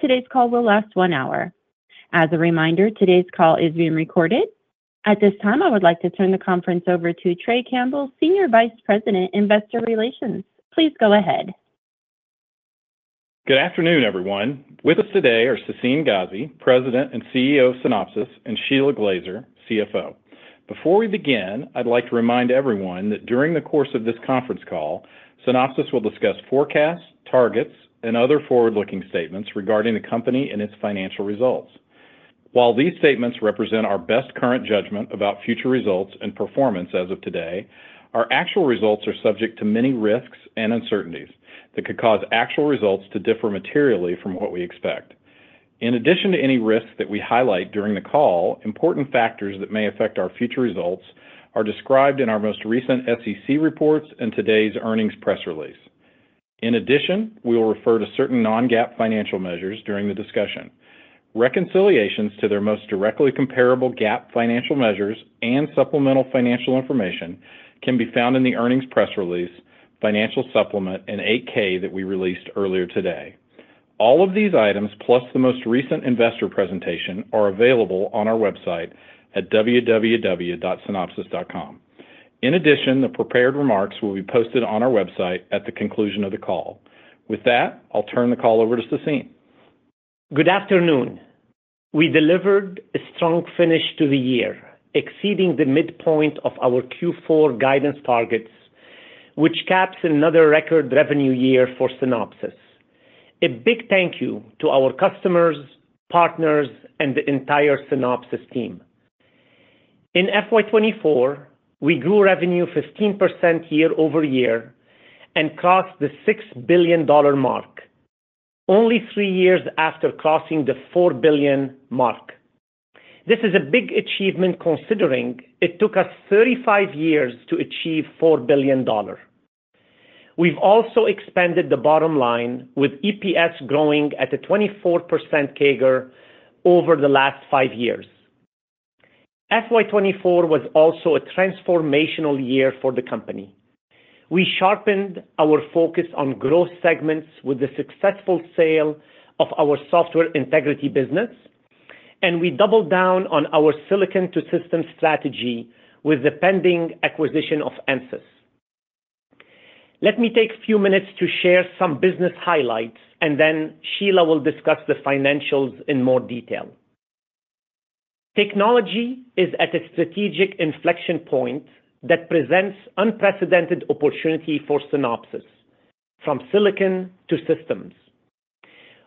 Today's call will last one hour. As a reminder, today's call is being recorded. At this time, I would like to turn the conference over to Trey Campbell, Senior Vice President, Investor Relations. Please go ahead. Good afternoon, everyone. With us today are Sassine Ghazi, President and CEO of Synopsys, and Shelagh Glaser, CFO. Before we begin, I'd like to remind everyone that during the course of this conference call, Synopsys will discuss forecasts, targets, and other forward-looking statements regarding the company and its financial results. While these statements represent our best current judgment about future results and performance as of today, our actual results are subject to many risks and uncertainties that could cause actual results to differ materially from what we expect. In addition to any risks that we highlight during the call, important factors that may affect our future results are described in our most recent SEC reports and today's earnings press release. In addition, we will refer to certain non-GAAP financial measures during the discussion. Reconciliations to their most directly comparable GAAP financial measures and supplemental financial information can be found in the earnings press release, financial supplement, and 8-K that we released earlier today. All of these items, plus the most recent investor presentation, are available on our website at www.Synopsys.com. In addition, the prepared remarks will be posted on our website at the conclusion of the call. With that, I'll turn the call over to Sassine. Good afternoon. We delivered a strong finish to the year, exceeding the midpoint of our Q4 guidance targets, which caps another record revenue year for Synopsys. A big thank you to our customers, partners, and the entire Synopsys team. In FY 2024, we grew revenue 15% YoY and crossed the $6 billion mark, only three years after crossing the $4 billion mark. This is a big achievement considering it took us 35 years to achieve $4 billion. We've also expanded the bottom line, with EPS growing at a 24% CAGR over the last five years. FY 2024 was also a transformational year for the company. We sharpened our focus on growth segments with the successful sale of our software integrity business, and we doubled down on our silicon-to-systems strategy with the pending acquisition of Ansys. Let me take a few minutes to share some business highlights, and then Shelagh will discuss the financials in more detail. Technology is at a strategic inflection point that presents unprecedented opportunity for Synopsys, from silicon to systems.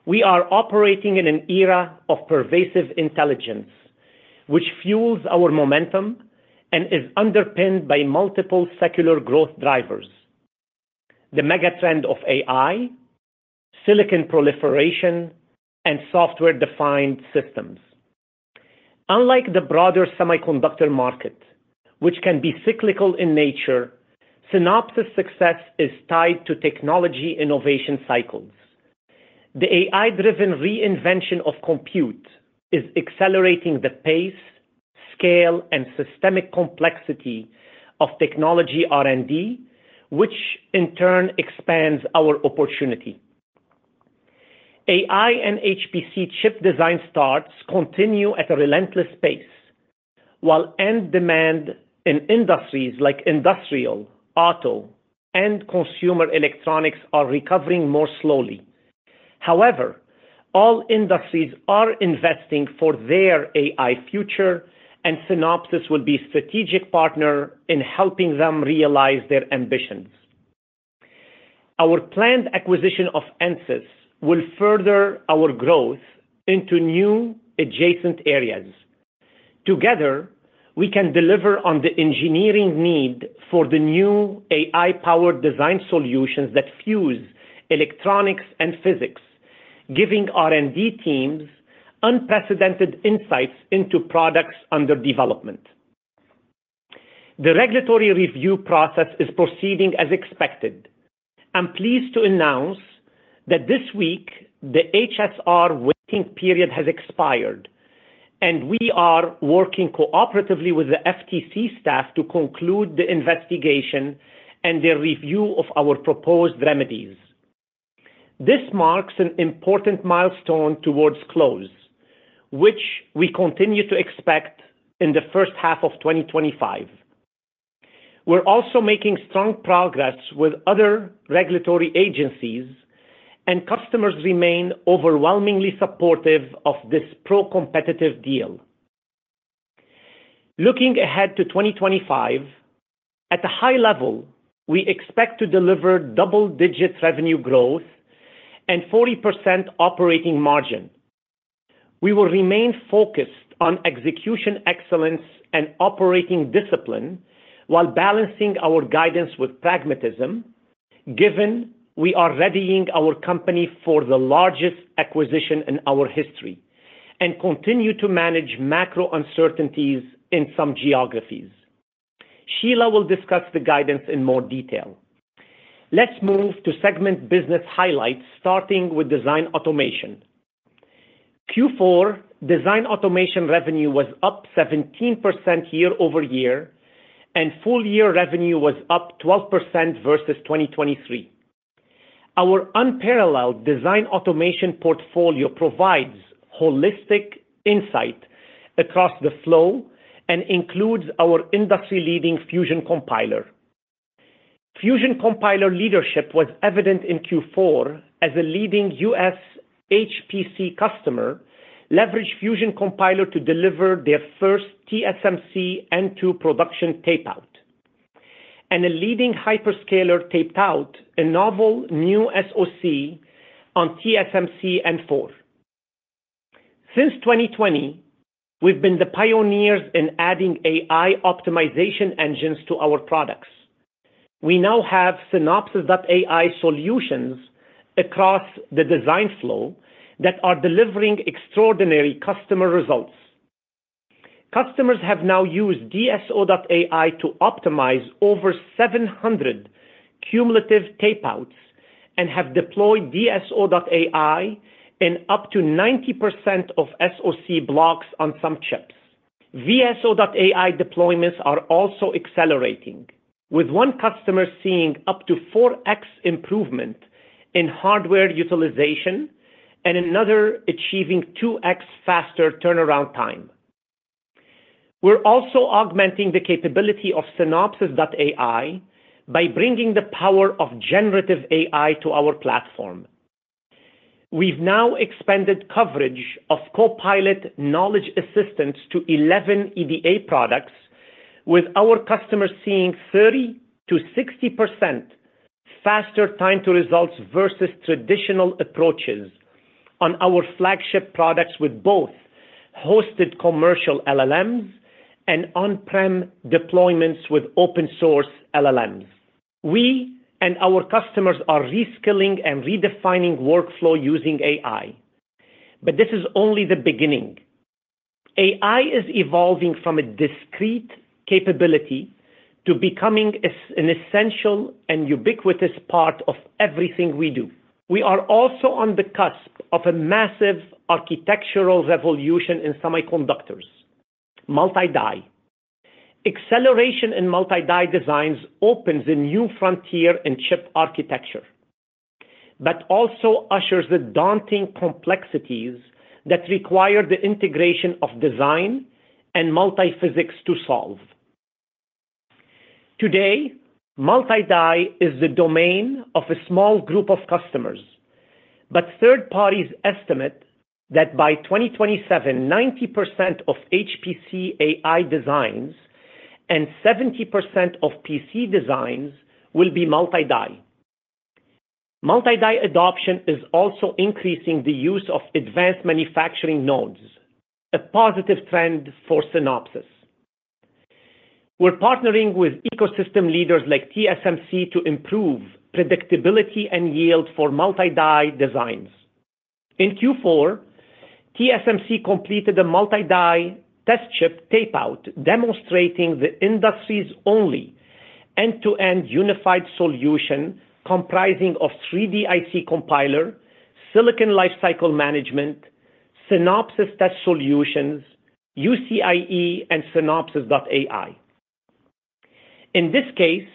We are operating in an era of pervasive intelligence, which fuels our momentum and is underpinned by multiple secular growth drivers: the megatrend of AI, silicon proliferation, and software-defined systems. Unlike the broader semiconductor market, which can be cyclical in nature, Synopsys' success is tied to technology innovation cycles. The AI-driven reinvention of compute is accelerating the pace, scale, and systemic complexity of technology R&D, which in turn expands our opportunity. AI and HPC chip design starts continue at a relentless pace, while end demand in industries like industrial, auto, and consumer electronics are recovering more slowly. However, all industries are investing for their AI future, and Synopsys will be a strategic partner in helping them realize their ambitions. Our planned acquisition of Ansys will further our growth into new adjacent areas. Together, we can deliver on the engineering need for the new AI-powered design solutions that fuse electronics and physics, giving R&D teams unprecedented insights into products under development. The regulatory review process is proceeding as expected. I'm pleased to announce that this week the HSR waiting period has expired, and we are working cooperatively with the FTC staff to conclude the investigation and the review of our proposed remedies. This marks an important milestone towards close, which we continue to expect in the first half of 2025. We're also making strong progress with other regulatory agencies, and customers remain overwhelmingly supportive of this pro-competitive deal. Looking ahead to 2025, at a high level, we expect to deliver double-digit revenue growth and 40% operating margin. We will remain focused on execution excellence and operating discipline while balancing our guidance with pragmatism, given we are readying our company for the largest acquisition in our history and continue to manage macro uncertainties in some geographies. Shelagh will discuss the guidance in more detail. Let's move to segment business highlights, starting with design automation. Q4 design automation revenue was up 17% YoY, and full-year revenue was up 12% versus 2023. Our unparalleled design automation portfolio provides holistic insight across the flow and includes our industry-leading Fusion Compiler. Fusion Compiler leadership was evident in Q4 as a leading U.S. HPC customer leveraged Fusion Compiler to deliver their first TSMC N2 production tape-out and a leading hyperscaler taped out a novel new SoC on TSMC N4. Since 2020, we've been the pioneers in adding AI optimization engines to our products. We now have Synopsys.ai solutions across the design flow that are delivering extraordinary customer results. Customers have now used DSO.ai to optimize over 700 cumulative tape-outs and have deployed DSO.ai in up to 90% of SoC blocks on some chips. VSO.ai deployments are also accelerating, with one customer seeing up to 4X improvement in hardware utilization and another achieving 2X faster turnaround time. We're also augmenting the capability of Synopsys.ai by bringing the power of generative AI to our platform. We've now expanded coverage of Copilot knowledge assistants to 11 EDA products, with our customers seeing 30% to 60% faster time-to-results versus traditional approaches on our flagship products with both hosted commercial LLMs and on-prem deployments with open-source LLMs. We and our customers are reskilling and redefining workflow using AI, but this is only the beginning. AI is evolving from a discrete capability to becoming an essential and ubiquitous part of everything we do. We are also on the cusp of a massive architectural revolution in semiconductors, multi-die. Acceleration in multi-die designs opens a new frontier in chip architecture, but also ushers the daunting complexities that require the integration of design and multi-physics to solve. Today, multi-die is the domain of a small group of customers, but third parties estimate that by 2027, 90% of HPC AI designs and 70% of PC designs will be multi-die. Multi-die adoption is also increasing the use of advanced manufacturing nodes, a positive trend for Synopsys. We're partnering with ecosystem leaders like TSMC to improve predictability and yield for multi-die designs. In Q4, TSMC completed a multi-die test chip tape-out demonstrating the industry's only end-to-end unified solution comprising of 3DIC Compiler, Silicon Lifecycle Management, Synopsys Test Solutions, UCIe, and Synopsys.ai. In this case,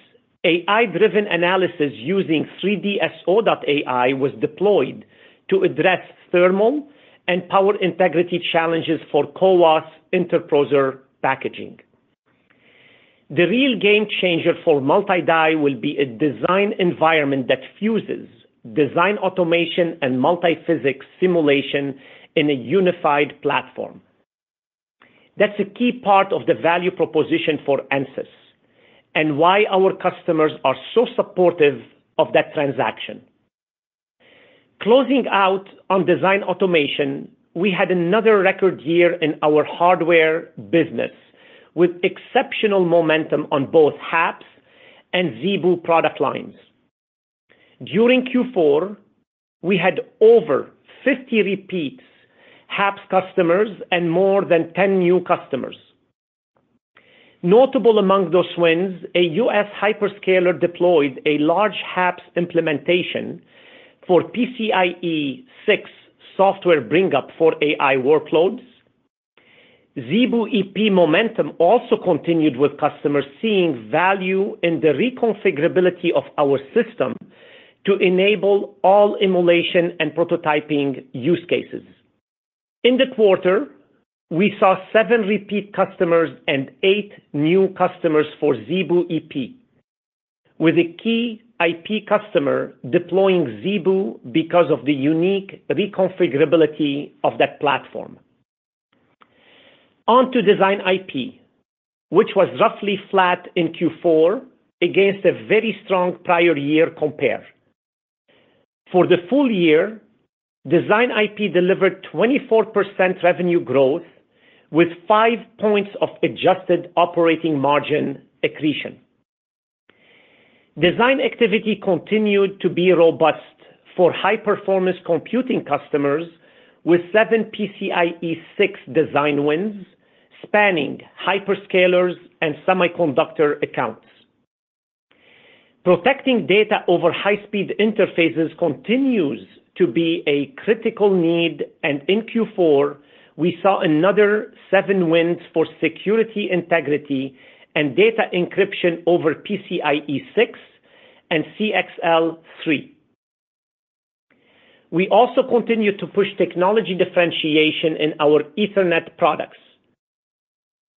AI-driven analysis using 3DSO.ai was deployed to address thermal and power integrity challenges for CoWoS interposer packaging. The real game changer for multi-die will be a design environment that fuses design automation and multi-physics simulation in a unified platform. That's a key part of the value proposition for Ansys and why our customers are so supportive of that transaction. Closing out on design automation, we had another record year in our hardware business with exceptional momentum on both HAPS and ZeBu product lines. During Q4, we had over 50 repeat HAPS customers and more than 10 new customers. Notable among those wins, a US hyperscaler deployed a large HAPS implementation for PCIe 6 software bring-up for AI workloads. ZeBu EP momentum also continued with customers seeing value in the reconfigurability of our system to enable all emulation and prototyping use cases. In the quarter, we saw seven repeat customers and eight new customers for ZeBu EP, with a key IP customer deploying ZeBu because of the unique reconfigurability of that platform. On to design IP, which was roughly flat in Q4 against a very strong prior year compare. For the full year, design IP delivered 24% revenue growth with 5 points of adjusted operating margin accretion. Design activity continued to be robust for high-performance computing customers with seven PCIe 6 design wins spanning hyperscalers and semiconductor accounts. Protecting data over high-speed interfaces continues to be a critical need, and in Q4, we saw another seven wins for security integrity and data encryption over PCIe 6 and CXL 3.0. We also continue to push technology differentiation in our Ethernet products.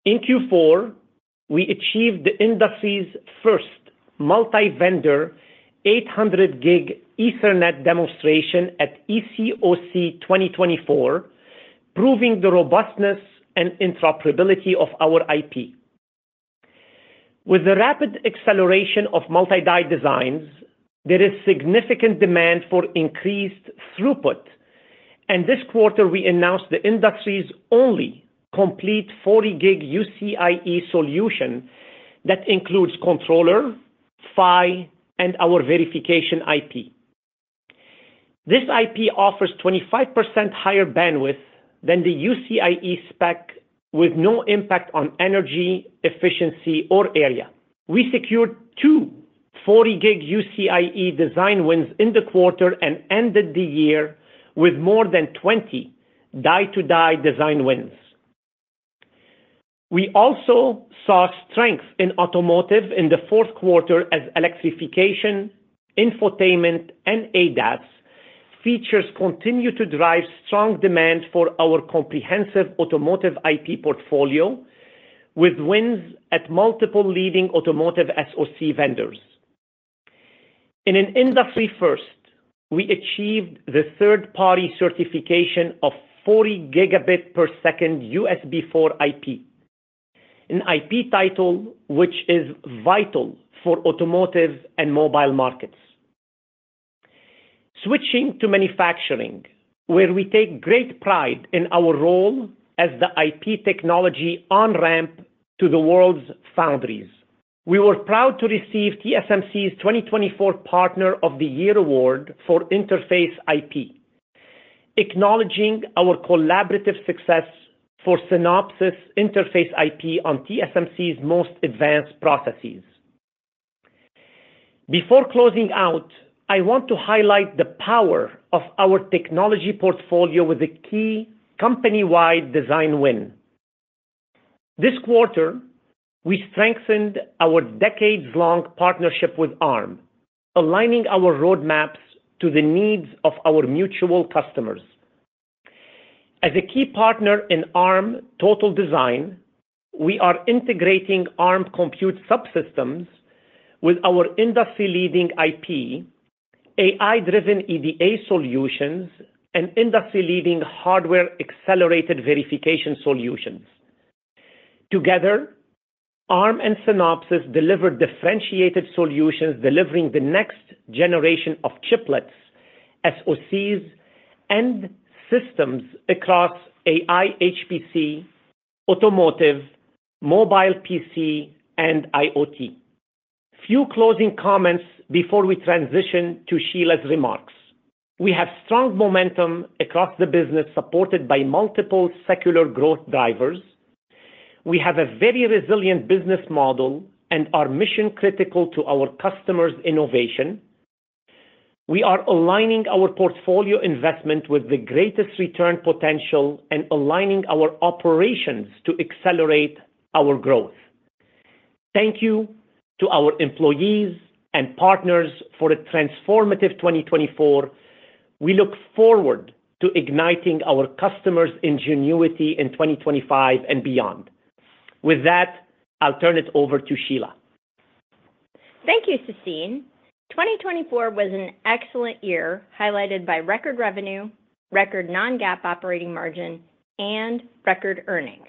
In Q4, we achieved the industry's first multi-vendor 800 gig Ethernet demonstration at ECOC 2024, proving the robustness and interoperability of our IP. With the rapid acceleration of multi-die designs, there is significant demand for increased throughput, and this quarter, we announced the industry's only complete 40 Gb UCIe solution that includes controller, PHY, and our verification IP. This IP offers 25% higher bandwidth than the UCIe spec, with no impact on energy, efficiency, or area. We secured two 40 Gb UCIe design wins in the quarter and ended the year with more than 20 die-to-die design wins. We also saw strength in automotive in the fourth quarter as electrification, infotainment, and ADAS features continue to drive strong demand for our comprehensive automotive IP portfolio, with wins at multiple leading automotive SoC vendors. In an industry first, we achieved the third-party certification of 40 Gbps USB4 IP, an IP title which is vital for automotive and mobile markets. Switching to manufacturing, where we take great pride in our role as the IP technology on-ramp to the world's foundries. We were proud to receive TSMC's 2024 Partner of the Year Award for Interface IP, acknowledging our collaborative success for Synopsys Interface IP on TSMC's most advanced processes. Before closing out, I want to highlight the power of our technology portfolio with a key company-wide design win. This quarter, we strengthened our decades-long partnership with Arm, aligning our roadmaps to the needs of our mutual customers. As a key partner in Arm Total Design, we are integrating Arm Compute Subsystems with our industry-leading IP, AI-driven EDA solutions, and industry-leading hardware accelerated verification solutions. Together, Arm and Synopsys deliver differentiated solutions delivering the next generation of chiplets, SoCs, and systems across AI, HPC, automotive, mobile PC, and IoT. Few closing comments before we transition to Shelagh's remarks. We have strong momentum across the business supported by multiple secular growth drivers. We have a very resilient business model and are mission-critical to our customers' innovation. We are aligning our portfolio investment with the greatest return potential and aligning our operations to accelerate our growth. Thank you to our employees and partners for a transformative 2024. We look forward to igniting our customers' ingenuity in 2025 and beyond. With that, I'll turn it over to Shelagh. Thank you, Sassine. 2024 was an excellent year highlighted by record revenue, record non-GAAP operating margin, and record earnings.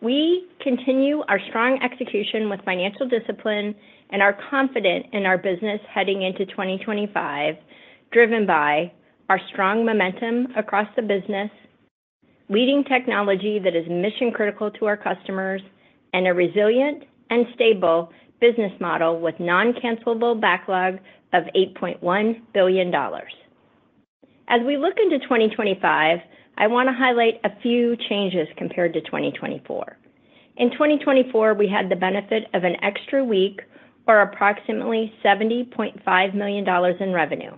We continue our strong execution with financial discipline and are confident in our business heading into 2025, driven by our strong momentum across the business, leading technology that is mission-critical to our customers, and a resilient and stable business model with non-cancelable backlog of $8.1 billion. As we look into 2025, I want to highlight a few changes compared to 2024. In 2024, we had the benefit of an extra week for approximately $70.5 million in revenue.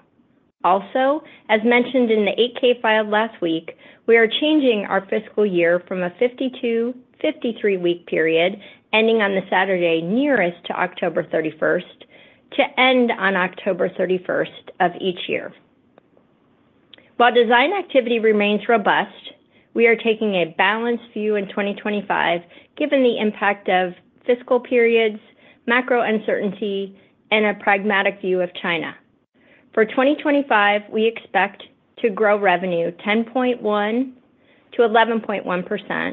Also, as mentioned in the 8-K file last week, we are changing our fiscal year from a 52-53 week period ending on the Saturday nearest to October 31st of each year to end on October 31st of each year. While design activity remains robust, we are taking a balanced view in 2025 given the impact of fiscal periods, macro uncertainty, and a pragmatic view of China. For 2025, we expect to grow revenue 10.1%-11.1%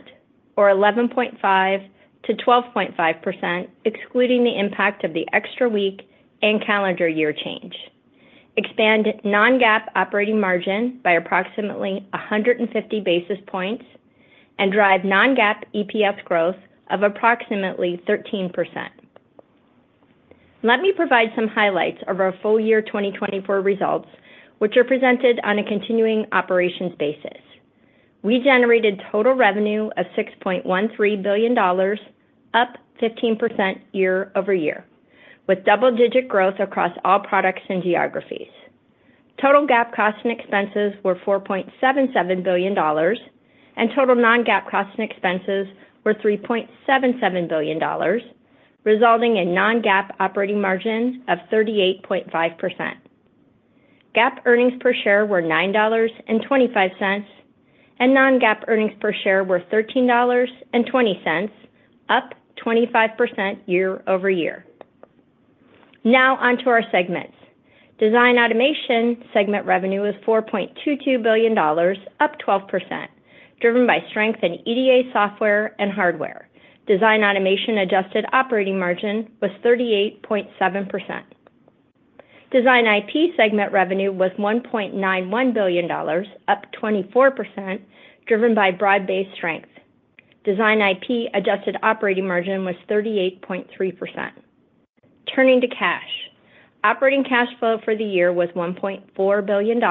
or 11.5%-12.5%, excluding the impact of the extra week and calendar year change. Expand non-GAAP operating margin by approximately 150 basis points and drive non-GAAP EPS growth of approximately 13%. Let me provide some highlights of our full year 2024 results, which are presented on a continuing operations basis. We generated total revenue of $6.13 billion, up 15% YoY, with double-digit growth across all products and geographies. Total GAAP costs and expenses were $4.77 billion, and total non-GAAP costs and expenses were $3.77 billion, resulting in non-GAAP operating margin of 38.5%. GAAP earnings per share were $9.25, and non-GAAP earnings per share were $13.20, up 25% YoY. Now onto our segments. Design Automation segment revenue was $4.22 billion, up 12%, driven by strength in EDA software and hardware. Design automation adjusted operating margin was 38.7%. Design IP segment revenue was $1.91 billion, up 24%, driven by broad-based strength. Design IP adjusted operating margin was 38.3%. Turning to cash. Operating cash flow for the year was $1.4 billion,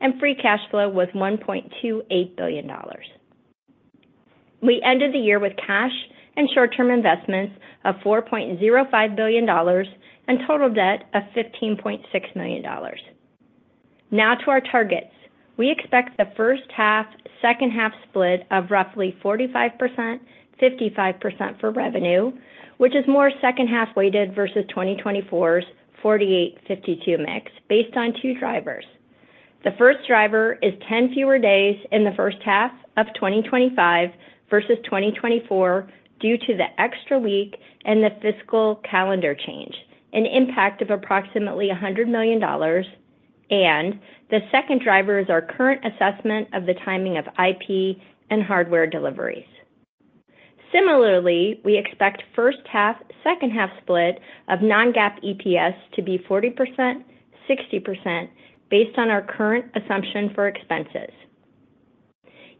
and free cash flow was $1.28 billion. We ended the year with cash and short-term investments of $4.05 billion and total debt of $15.6 million. Now to our targets. We expect the first half, second half split of roughly 45%, 55% for revenue, which is more second half weighted versus 2024's 48%, 52% mix based on two drivers. The first driver is 10 fewer days in the first half of 2025 versus 2024 due to the extra week and the fiscal calendar change, an impact of approximately $100 million, and the second driver is our current assessment of the timing of IP and hardware deliveries. Similarly, we expect first-half, second-half split of non-GAAP EPS to be 40%, 60% based on our current assumption for expenses.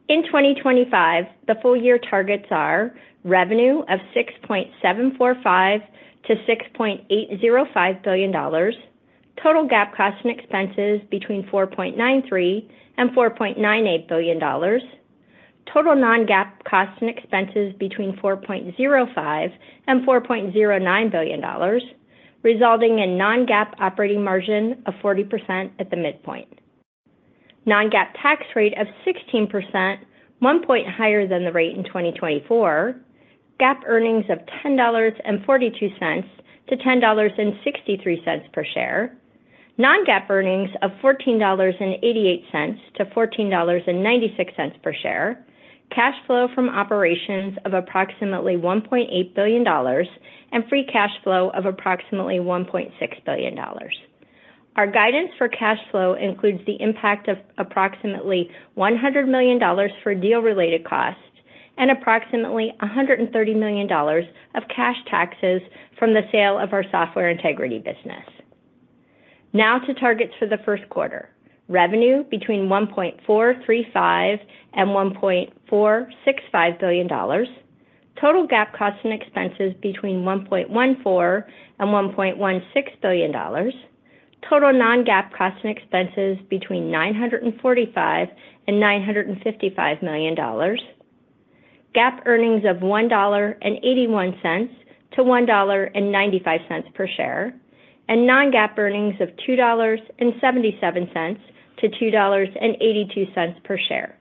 In 2025, the full year targets are revenue of $6.745 billion -$6.805 billion, total GAAP costs and expenses between $4.93 billion and $4.98 billion, total non-GAAP costs and expenses between $4.05 billion and $4.09 billion, resulting in non-GAAP operating margin of 40% at the midpoint, non-GAAP tax rate of 16%, one point higher than the rate in 2024, GAAP earnings of $10.42-$10.63 per share, non-GAAP earnings of $14.88-$14.96 per share, cash flow from operations of approximately $1.8 billion, and free cash flow of approximately $1.6 billion. Our guidance for cash flow includes the impact of approximately $100 million for deal-related costs and approximately $130 million of cash taxes from the sale of our software integrity business. Now to targets for the first quarter. Revenue between $1.435 billion and $1.465 billion, total GAAP costs and expenses between $1.14 billion and $1.16 billion, total non-GAAP costs and expenses between $945 million and $955 million, GAAP earnings of $1.81 to $1.95 per share, and non-GAAP earnings of $2.77 to $2.82 per share.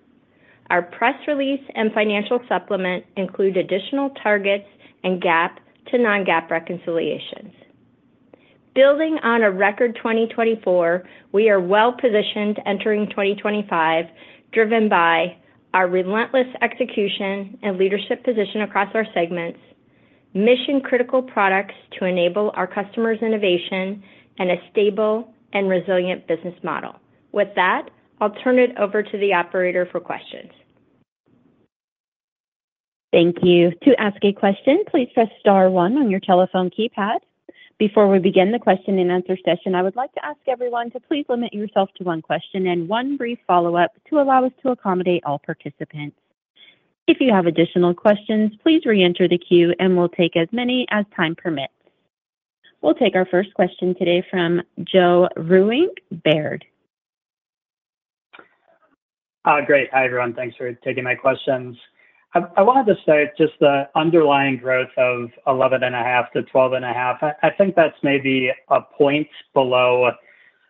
Our press release and financial supplement include additional targets and GAAP to non-GAAP reconciliations. Building on a record 2024, we are well positioned entering 2025, driven by our relentless execution and leadership position across our segments, mission-critical products to enable our customers' innovation, and a stable and resilient business model. With that, I'll turn it over to the operator for questions. Thank you. To ask a question, please press star one on your telephone keypad. Before we begin the question and answer session, I would like to ask everyone to please limit yourself to one question and one brief follow-up to allow us to accommodate all participants. If you have additional questions, please re-enter the queue, and we'll take as many as time permits. We'll take our first question today from Joe Vruwink, Baird. Great. Hi, everyone. Thanks for taking my questions. I wanted to say just the underlying growth of 11.5%-12.5%. I think that's maybe a point below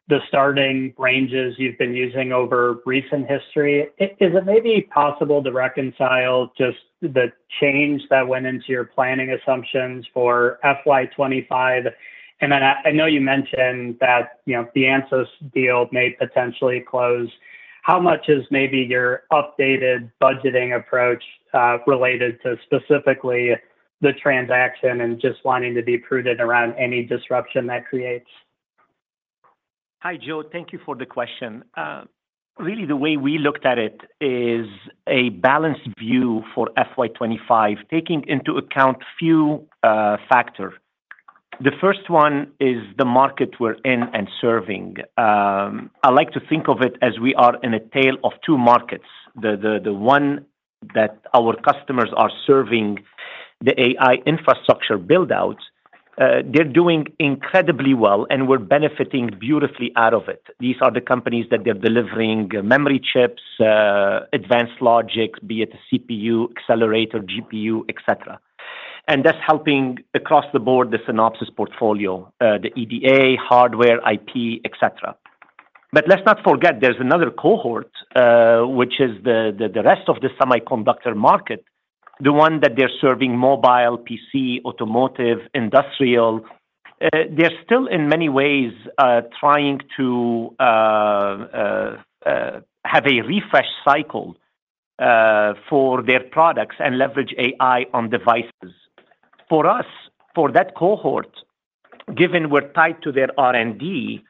the starting ranges you've been using over recent history. Is it maybe possible to reconcile just the change that went into your planning assumptions for FY 2025? And then I know you mentioned that the ANSYS deal may potentially close. How much is maybe your updated budgeting approach related to specifically the transaction and just wanting to be prudent around any disruption that creates? Hi, Joe. Thank you for the question. Really, the way we looked at it is a balanced view for FY 2025, taking into account a few factors. The first one is the market we're in and serving. I like to think of it as we are in a tale of two markets. The one that our customers are serving, the AI infrastructure buildout, they're doing incredibly well, and we're benefiting beautifully out of it. These are the companies that they're delivering memory chips, advanced logic, be it a CPU, accelerator, GPU, etc. And that's helping across the board the Synopsys portfolio, the EDA, hardware, IP, etc. But let's not forget there's another cohort, which is the rest of the semiconductor market, the one that they're serving: mobile, PC, automotive, industrial. They're still, in many ways, trying to have a refresh cycle for their products and leverage AI on devices. For us, for that cohort, given we're tied to their R&D,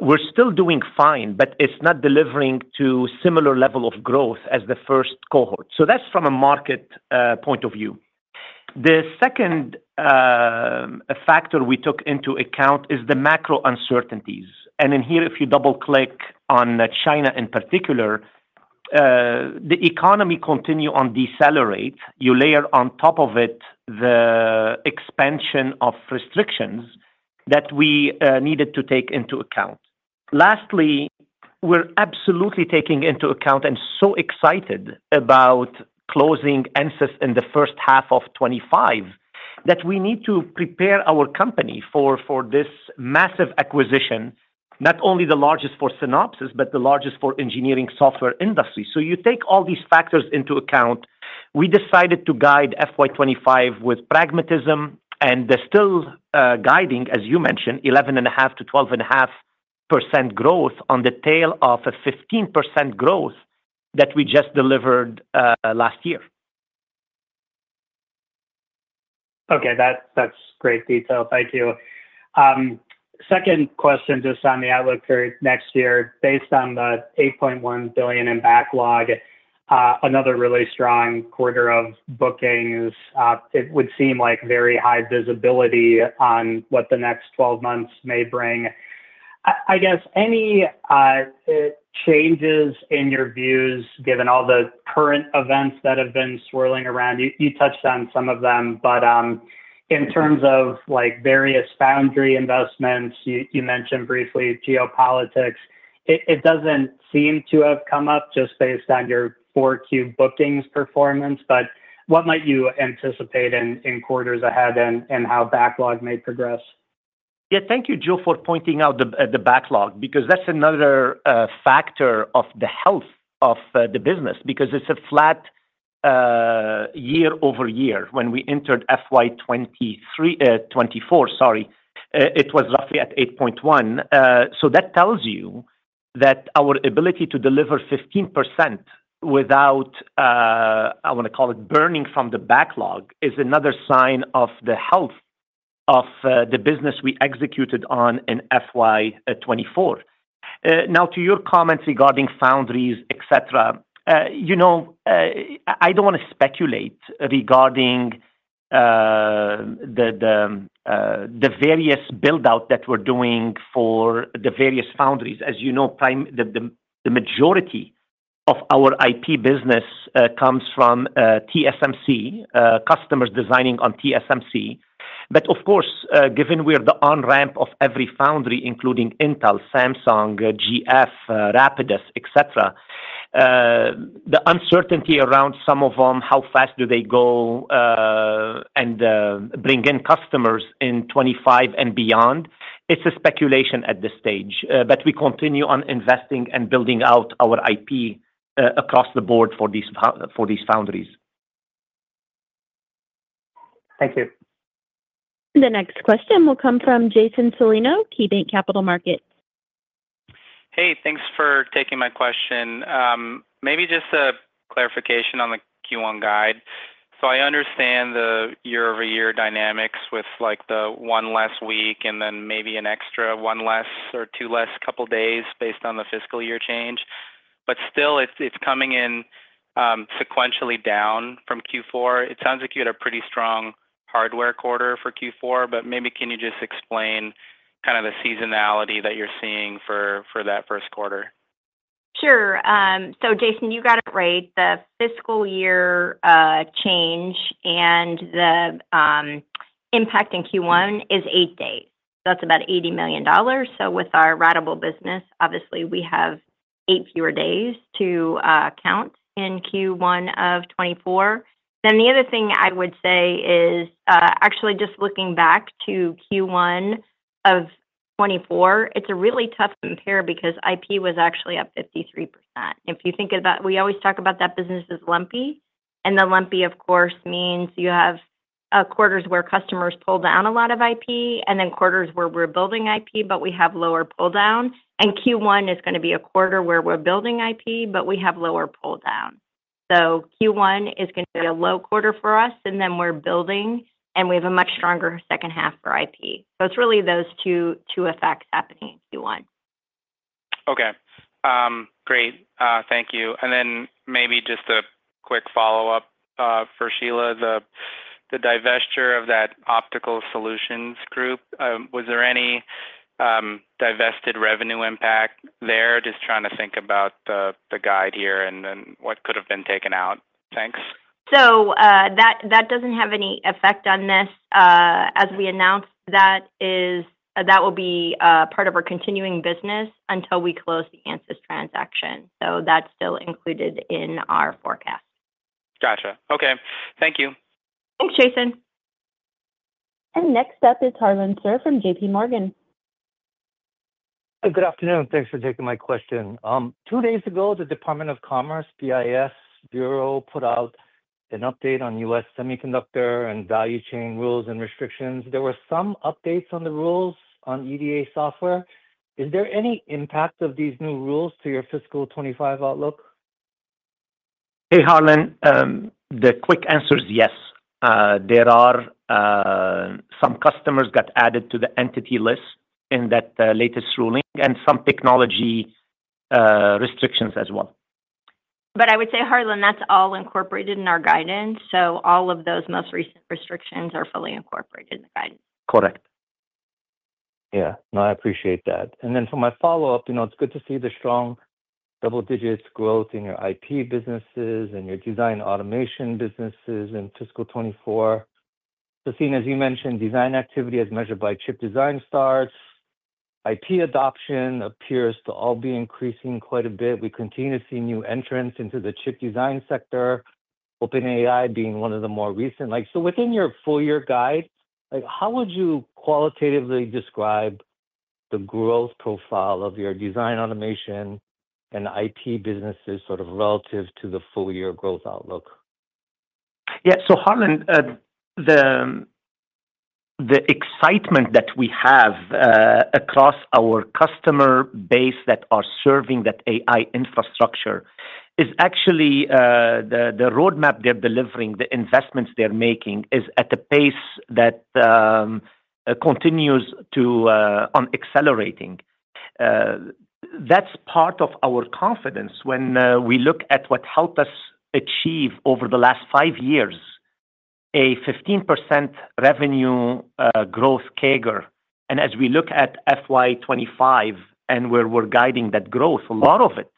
we're still doing fine, but it's not delivering to a similar level of growth as the first cohort. So that's from a market point of view. The second factor we took into account is the macro uncertainties. And in here, if you double-click on China in particular, the economy continues to decelerate. You layer on top of it the expansion of restrictions that we needed to take into account. Lastly, we're absolutely taking into account and so excited about closing Ansys in the first half of 2025 that we need to prepare our company for this massive acquisition, not only the largest for Synopsys, but the largest for the engineering software industry. So you take all these factors into account, we decided to guide FY 2025 with pragmatism and still guiding, as you mentioned, 11.5%-12.5% growth on the tail of a 15% growth that we just delivered last year. Okay. That's great detail. Thank you. Second question just on the outlook for next year. Based on the $8.1 billion in backlog, another really strong quarter of bookings. It would seem like very high visibility on what the next 12 months may bring. I guess any changes in your views, given all the current events that have been swirling around? You touched on some of them, but in terms of various foundry investments, you mentioned briefly geopolitics. It doesn't seem to have come up just based on your Q4 bookings performance, but what might you anticipate in quarters ahead and how backlog may progress? Yeah. Thank you, Joe, for pointing out the backlog because that's another factor of the health of the business because it's a flat YoY. When we entered FY 2024, sorry, it was roughly at $8.1 billion. So that tells you that our ability to deliver 15% without, I want to call it, burning from the backlog is another sign of the health of the business we executed on in FY 2024. Now, to your comments regarding foundries, etc., I don't want to speculate regarding the various buildouts that we're doing for the various foundries. As you know, the majority of our IP business comes from TSMC, customers designing on TSMC. But of course, given we're the on-ramp of every foundry, including Intel, Samsung, GF, Rapidus, etc., the uncertainty around some of them, how fast do they go and bring in customers in 2025 and beyond, it's a speculation at this stage. But we continue on investing and building out our IP across the board for these foundries. Thank you. The next question will come from Jason Celino, KeyBanc Capital Markets. Hey, thanks for taking my question. Maybe just a clarification on the Q1 guide. So I understand the year-over-year dynamics with the one less week and then maybe an extra one less or two less couple of days based on the fiscal year change. But still, it's coming in sequentially down from Q4. It sounds like you had a pretty strong hardware quarter for Q4, but maybe can you just explain kind of the seasonality that you're seeing for that first quarter? Sure, so Jason, you got it right. The fiscal year change and the impact in Q1 is eight days. That's about $80 million. With our ratable business, obviously, we have eight fewer days to count in Q1 of 2024. Then the other thing I would say is, actually, just looking back to Q1 of 2024, it's a really tough compare because IP was actually up 53%. If you think about it, we always talk about that business as lumpy, and the lumpy, of course, means you have quarters where customers pull down a lot of IP and then quarters where we're building IP, but we have lower pull down. Q1 is going to be a quarter where we're building IP, but we have lower pull down. Q1 is going to be a low quarter for us, and then we're building, and we have a much stronger second half for IP. It's really those two effects happening in Q1. Okay. Great. Thank you. And then maybe just a quick follow-up for Shelagh, the divestiture of that optical solutions group, was there any divested revenue impact there? Just trying to think about the guide here and what could have been taken out. Thanks. So that doesn't have any effect on this. As we announced, that will be part of our continuing business until we close the Ansys transaction. So that's still included in our forecast. Gotcha. Okay. Thank you. Thanks, Jason. And next up is Harlan Sur from JPMorgan. Good afternoon. Thanks for taking my question. Two days ago, the Department of Commerce, BIS bureau, put out an update on U.S. semiconductor and value chain rules and restrictions. There were some updates on the rules on EDA software. Is there any impact of these new rules to your fiscal 2025 outlook? Hey, Harlan, the quick answer is yes. There are some customers got added to the Entity List in that latest ruling and some technology restrictions as well. But I would say, Harlan, that's all incorporated in our guidance. So all of those most recent restrictions are fully incorporated in the guidance. Correct. Yeah. No, I appreciate that, and then for my follow-up, it's good to see the strong double-digit growth in your IP businesses and your design automation businesses in fiscal 2024. So seeing, as you mentioned, design activity as measured by chip design starts, IP adoption appears to all be increasing quite a bit. We continue to see new entrants into the chip design sector, OpenAI being one of the more recent, so within your full-year guide, how would you qualitatively describe the growth profile of your design automation and IP businesses sort of relative to the full-year growth outlook? Yeah. So Harlan, the excitement that we have across our customer base that are serving that AI infrastructure is actually the roadmap they're delivering, the investments they're making is at a pace that continues to accelerating. That's part of our confidence when we look at what helped us achieve over the last five years, a 15% revenue growth CAGR. And as we look at FY 2025 and where we're guiding that growth, a lot of it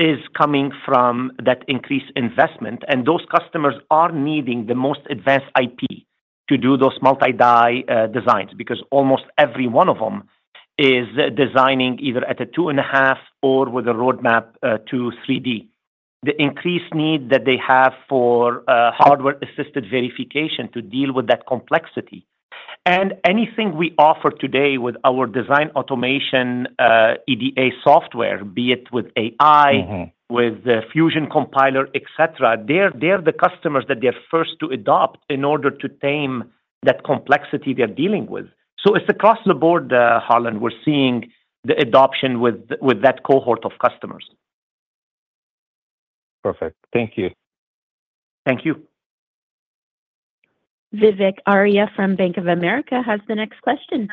is coming from that increased investment. And those customers are needing the most advanced IP to do those multi-die designs because almost every one of them is designing either at a two and a half or with a roadmap to 3D. The increased need that they have for hardware-assisted verification to deal with that complexity. And anything we offer today with our design automation EDA software, be it with AI, with Fusion Compiler, etc., they're the customers that they're first to adopt in order to tame that complexity they're dealing with. So it's across the board, Harlan, we're seeing the adoption with that cohort of customers. Perfect. Thank you. Thank you. Vivek Arya from Bank of America has the next question.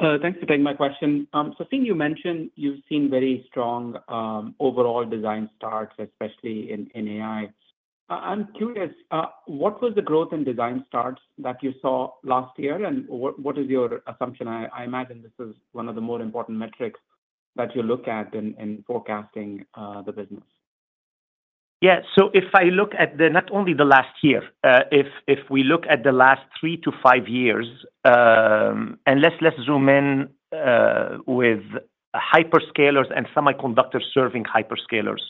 Thanks for taking my question. So, seeing you mentioned you've seen very strong overall design starts, especially in AI. I'm curious, what was the growth in design starts that you saw last year? And what is your assumption? I imagine this is one of the more important metrics that you look at in forecasting the business. Yeah. So if I look at not only the last year, if we look at the last three to five years, and let's zoom in with hyperscalers and semiconductors serving hyperscalers.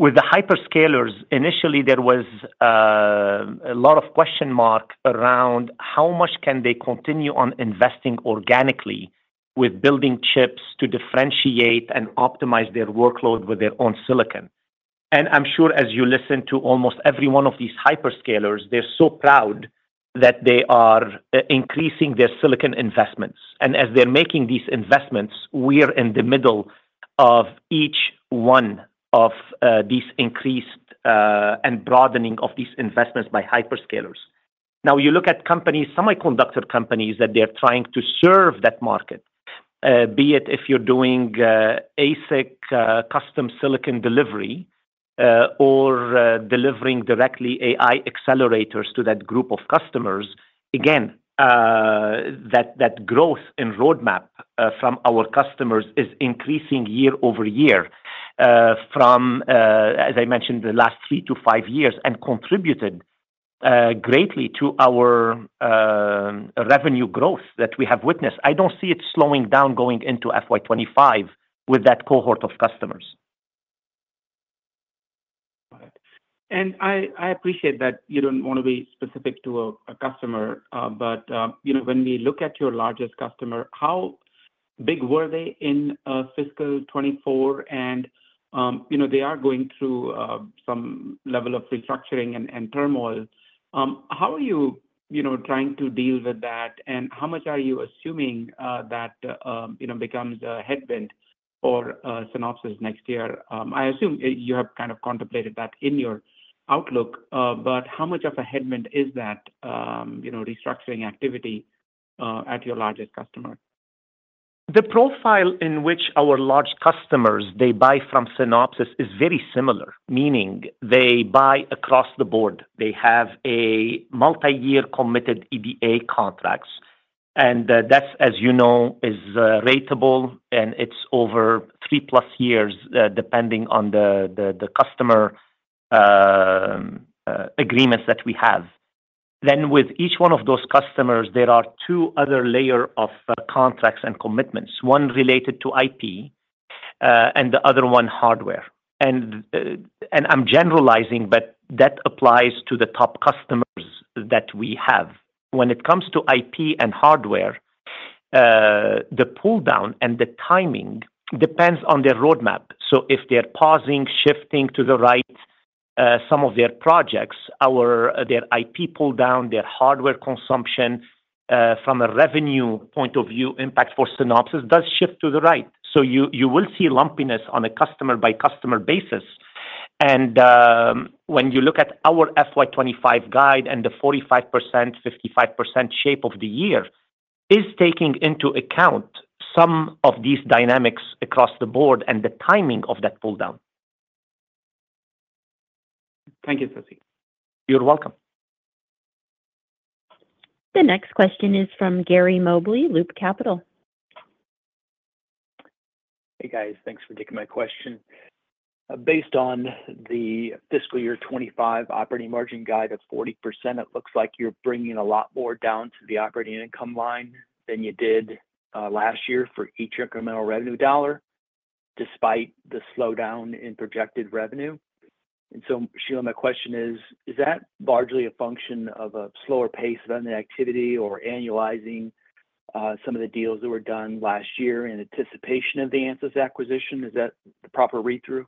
With the hyperscalers, initially, there was a lot of question mark around how much can they continue on investing organically with building chips to differentiate and optimize their workload with their own silicon. And I'm sure as you listen to almost every one of these hyperscalers, they're so proud that they are increasing their silicon investments. And as they're making these investments, we're in the middle of each one of these increased and broadening of these investments by hyperscalers. Now, you look at semiconductor companies that they're trying to serve that market, be it if you're doing ASIC custom silicon delivery or delivering directly AI accelerators to that group of customers. Again, that growth in roadmap from our customers is increasing YoY from, as I mentioned, the last three to five years and contributed greatly to our revenue growth that we have witnessed. I don't see it slowing down going into FY 2025 with that cohort of customers. And I appreciate that you don't want to be specific to a customer, but when we look at your largest customer, how big were they in fiscal 2024? And they are going through some level of restructuring and turmoil. How are you trying to deal with that? And how much are you assuming that becomes a headwind for Synopsys next year? I assume you have kind of contemplated that in your outlook, but how much of a headwind is that restructuring activity at your largest customer? The profile in which our large customers, they buy from Synopsys is very similar, meaning they buy across the board. They have multi-year committed EDA contracts, and that, as you know, is ratable, and it's over three plus years depending on the customer agreements that we have, then with each one of those customers, there are two other layers of contracts and commitments, one related to IP and the other one hardware, and I'm generalizing, but that applies to the top customers that we have. When it comes to IP and hardware, the pull down and the timing depends on their roadmap, so if they're pausing, shifting to the right, some of their projects, their IP pull down, their hardware consumption from a revenue point of view, impact for Synopsys does shift to the right, so you will see lumpiness on a customer-by-customer basis. And when you look at our FY 2025 guide and the 45%-55% shape of the year is taking into account some of these dynamics across the board and the timing of that pull down. Thank you, Sassine. You're welcome. The next question is from Gary Mobley, Loop Capital. Hey, guys. Thanks for taking my question. Based on the fiscal year 2025 operating margin guide of 40%, it looks like you're bringing a lot more down to the operating income line than you did last year for each incremental revenue dollar despite the slowdown in projected revenue. And so, Shelagh, my question is, is that largely a function of a slower pace of an activity or annualizing some of the deals that were done last year in anticipation of the Ansys acquisition? Is that the proper read-through?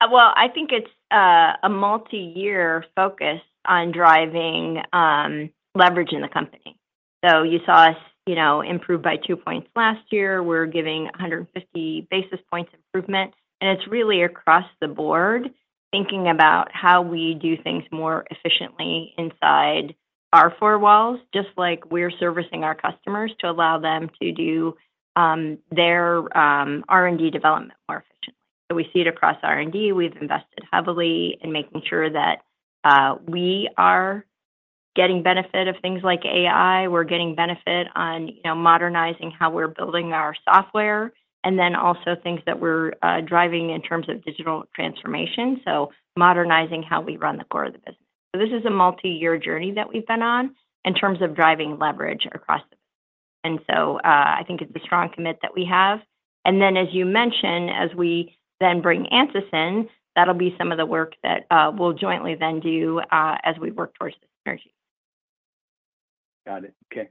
Well, I think it's a multi-year focus on driving leverage in the company. So you saw us improve by two points last year. We're giving 150 basis points improvement, and it's really across the board, thinking about how we do things more efficiently inside our four walls, just like we're servicing our customers to allow them to do their R&D development more efficiently, so we see it across R&D. We've invested heavily in making sure that we are getting benefit of things like AI. We're getting benefit on modernizing how we're building our software and then also things that we're driving in terms of digital transformation, so modernizing how we run the core of the business, so this is a multi-year journey that we've been on in terms of driving leverage across the business, and so I think it's a strong commitment that we have. And then, as you mentioned, as we then bring Ansys in, that'll be some of the work that we'll jointly then do as we work towards this synergy. Got it. Okay.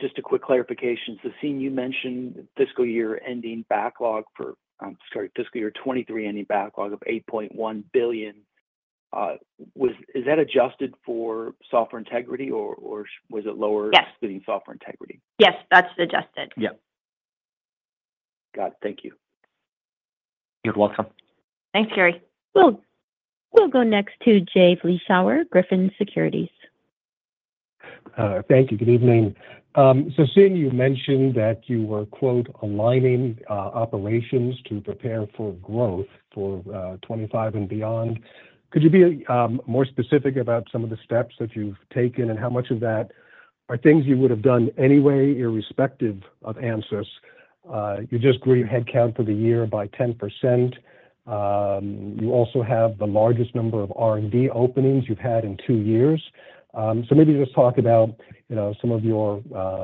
Just a quick clarification. Sassine, you mentioned fiscal year 2023 ending backlog of $8.1 billion. Is that adjusted for software integrity, or was it before splitting software integrity? Yes. That's adjusted. Yeah. Got it. Thank you. You're welcome. Thanks, Gary. We'll go next to Jay Vleeschhouwer, Griffin Securities. Thank you. Good evening. Sassine, you mentioned that you were "aligning operations to prepare for growth for 2025 and beyond." Could you be more specific about some of the steps that you've taken and how much of that are things you would have done anyway irrespective of Ansys? You just grew your headcount for the year by 10%. You also have the largest number of R&D openings you've had in two years. So maybe just talk about some of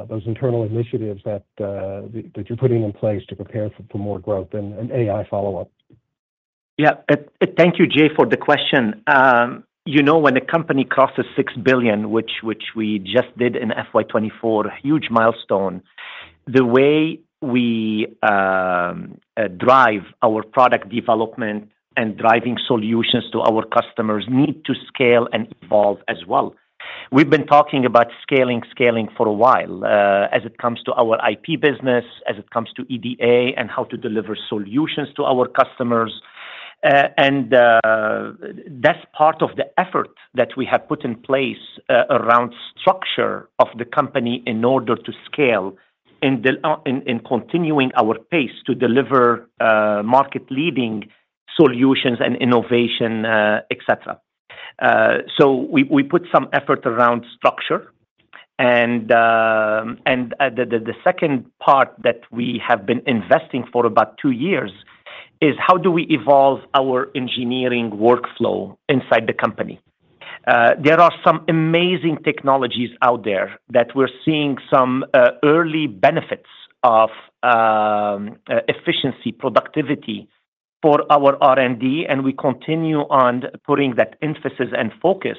those internal initiatives that you're putting in place to prepare for more growth and AI follow-up. Yeah. Thank you, Jay, for the question. When a company crosses six billion, which we just did in FY 2024, huge milestone, the way we drive our product development and driving solutions to our customers need to scale and evolve as well. We've been talking about scaling, scaling for a while as it comes to our IP business, as it comes to EDA and how to deliver solutions to our customers. And that's part of the effort that we have put in place around structure of the company in order to scale in continuing our pace to deliver market-leading solutions and innovation, etc. So we put some effort around structure. and the second part that we have been investing for about two years is how do we evolve our engineering workflow inside the company? There are some amazing technologies out there that we're seeing some early benefits of efficiency, productivity for our R&D. And we continue on putting that emphasis and focus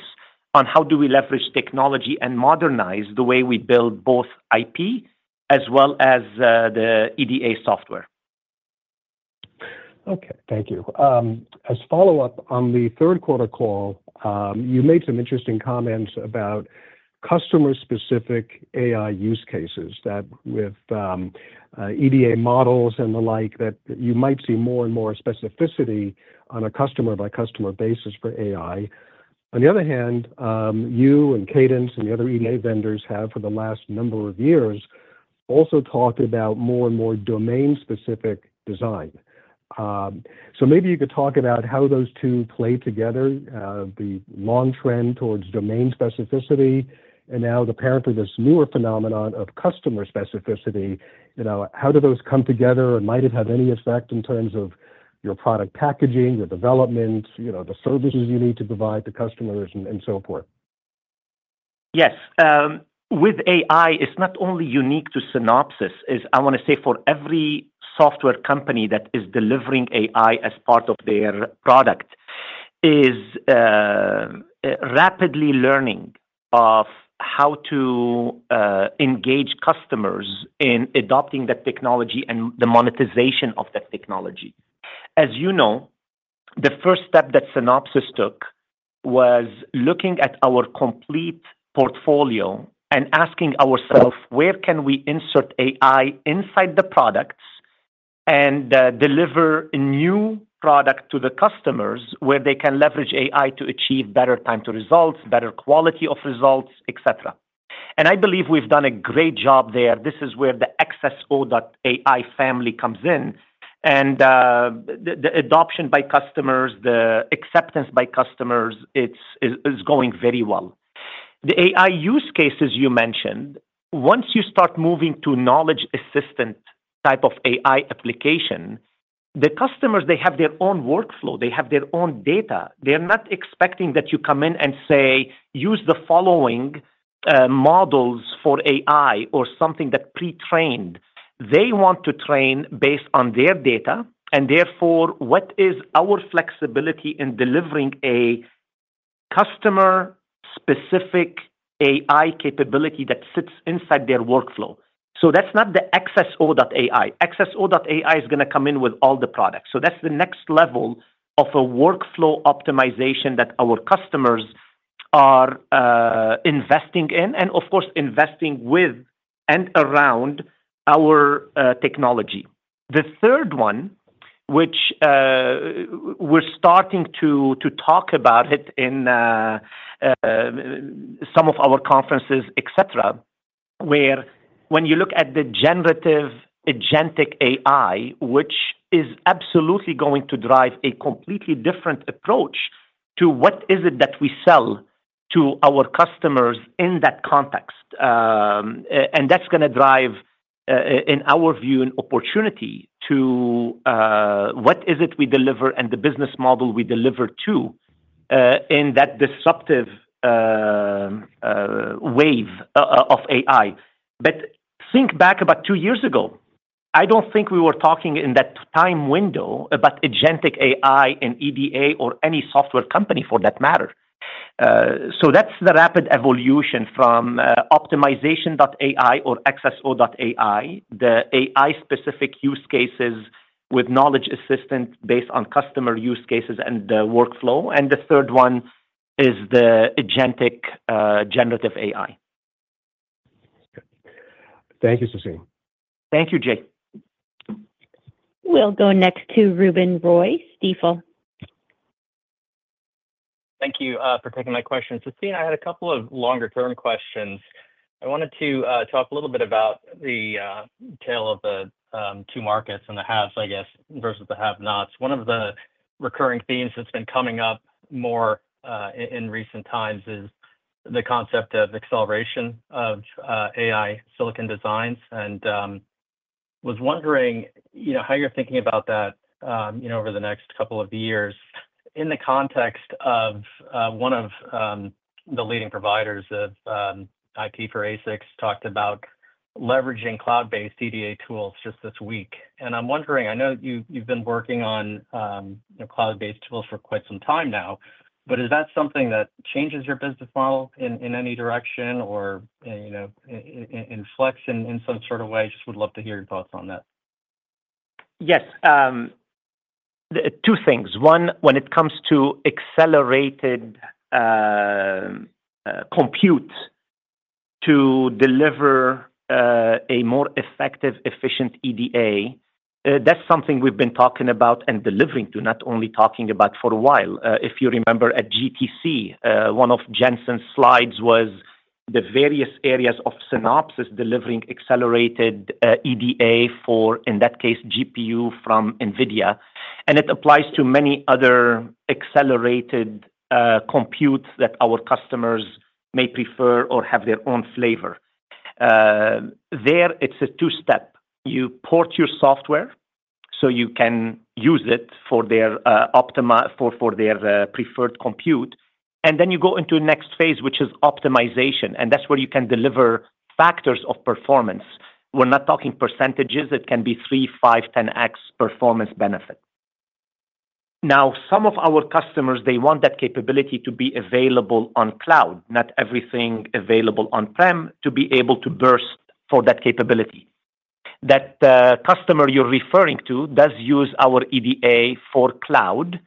on how do we leverage technology and modernize the way we build both IP as well as the EDA software. Okay. Thank you. As follow-up on the third-quarter call, you made some interesting comments about customer-specific AI use cases that, with EDA models and the like, that you might see more and more specificity on a customer-by-customer basis for AI. On the other hand, you and Cadence and the other EDA vendors have for the last number of years also talked about more and more domain-specific design. So maybe you could talk about how those two play together, the long trend towards domain specificity, and now apparently this newer phenomenon of customer specificity. How do those come together and might it have any effect in terms of your product packaging, your development, the services you need to provide to customers, and so forth? Yes. With AI, it's not only unique to Synopsys. I want to say for every software company that is delivering AI as part of their product is rapidly learning of how to engage customers in adopting that technology and the monetization of that technology. As you know, the first step that Synopsys took was looking at our complete portfolio and asking ourselves, where can we insert AI inside the products and deliver a new product to the customers where they can leverage AI to achieve better time to results, better quality of results, etc. I believe we've done a great job there. This is where the xSO.ai family comes in. The adoption by customers, the acceptance by customers, is going very well. The AI use cases you mentioned, once you start moving to knowledge-assistant type of AI application, the customers, they have their own workflow. They have their own data. They're not expecting that you come in and say, "Use the following models for AI or something that's pre-trained." They want to train based on their data. Therefore, what is our flexibility in delivering a customer-specific AI capability that sits inside their workflow? That's not the xSO.ai. xSO.ai is going to come in with all the products. That's the next level of a workflow optimization that our customers are investing in and, of course, investing with and around our technology. The third one, which we're starting to talk about in some of our conferences, etc., where when you look at the generative agentic AI, which is absolutely going to drive a completely different approach to what is it that we sell to our customers in that context. And that's going to drive, in our view, an opportunity to what is it we deliver and the business model we deliver to in that disruptive wave of AI. But think back about two years ago. I don't think we were talking in that time window about agentic AI in EDA or any software company for that matter. So that's the rapid evolution from optimization AI or xSo.ai, the AI-specific use cases with knowledge assistant based on customer use cases and the workflow. And the third one is the agentic generative AI. Thank you, Sassine. Thank you, Jay. We'll go next to Ruben Roy, Stifel. Thank you for taking my question. Sassine, I had a couple of longer-term questions. I wanted to talk a little bit about the tale of the two markets and the haves, I guess, versus the have-nots. One of the recurring themes that's been coming up more in recent times is the concept of acceleration of AI silicon designs. And was wondering how you're thinking about that over the next couple of years in the context of one of the leading providers of IP for ASICs talked about leveraging cloud-based EDA tools just this week. And I'm wondering, I know you've been working on cloud-based tools for quite some time now, but is that something that changes your business model in any direction or inflects in some sort of way? Just would love to hear your thoughts on that. Yes. Two things. One, when it comes to accelerated compute to deliver a more effective, efficient EDA, that's something we've been talking about and delivering to, not only talking about for a while. If you remember at GTC, one of Jensen's slides was the various areas of Synopsys delivering accelerated EDA for, in that case, GPU from NVIDIA. And it applies to many other accelerated compute that our customers may prefer or have their own flavor. There, it's a two-step. You port your software so you can use it for their preferred compute. And then you go into the next phase, which is optimization. And that's where you can deliver factors of performance. We're not talking percentages. It can be three, five, 10x performance benefit. Now, some of our customers, they want that capability to be available on cloud, not everything available on-prem to be able to burst for that capability. That customer you're referring to does use our EDA for cloud.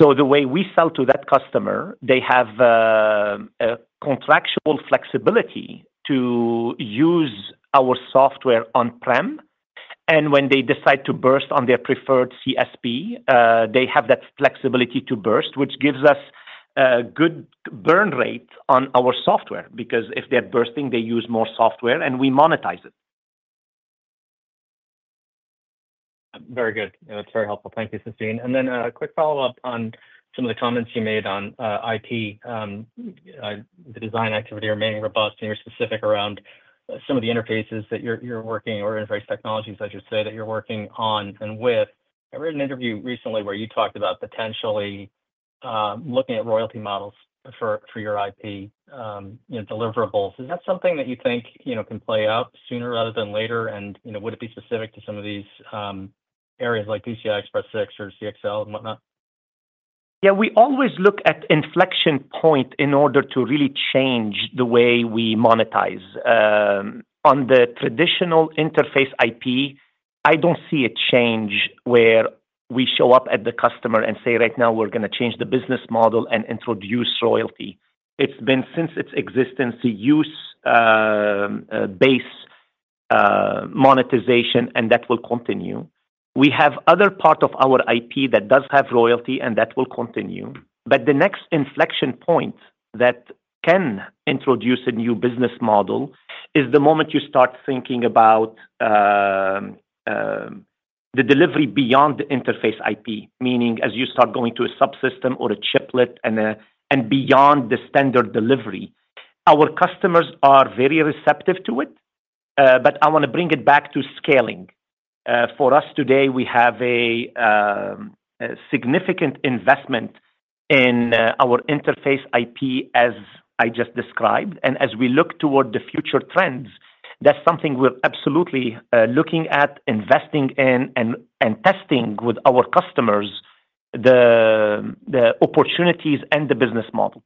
So the way we sell to that customer, they have contractual flexibility to use our software on-prem. And when they decide to burst on their preferred CSP, they have that flexibility to burst, which gives us a good burn rate on our software because if they're bursting, they use more software and we monetize it. Very good. That's very helpful. Thank you, Sassine. And then a quick follow-up on some of the comments you made on IP, the design activity remaining robust and your specific around some of the interfaces that you're working or interface technologies, as you say, that you're working on and with. I read an interview recently where you talked about potentially looking at royalty models for your IP deliverables. Is that something that you think can play out sooner rather than later? Would it be specific to some of these areas like PCI Express 6 or CXL and whatnot? Yeah. We always look at inflection point in order to really change the way we monetize. On the traditional interface IP, I don't see a change where we show up at the customer and say, "Right now, we're going to change the business model and introduce royalty." It's been since its existence, the use-based monetization, and that will continue. We have other parts of our IP that does have royalty, and that will continue. But the next inflection point that can introduce a new business model is the moment you start thinking about the delivery beyond the interface IP, meaning as you start going to a subsystem or a chiplet and beyond the standard delivery. Our customers are very receptive to it, but I want to bring it back to scaling. For us today, we have a significant investment in our interface IP, as I just described. And as we look toward the future trends, that's something we're absolutely looking at, investing in, and testing with our customers the opportunities and the business model.